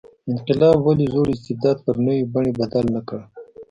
انقلاب ولې زوړ استبداد پر نوې بڼې بدل نه کړ.